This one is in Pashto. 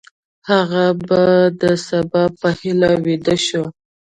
هغه د سبا په هیله ویده شو.